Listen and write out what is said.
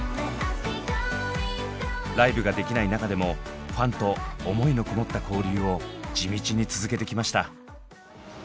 ライブができない中でもファンと思いのこもった交流を地道に続けてきました。